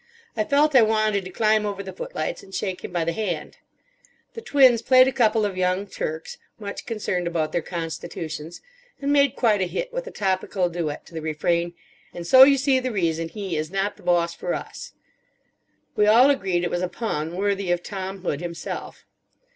I felt I wanted to climb over the foot lights and shake him by the hand. The twins played a couple of Young Turks, much concerned about their constitutions; and made quite a hit with a topical duet to the refrain: "And so you see The reason he Is not the Boss for us." We all agreed it was a pun worthy of Tom Hood himself.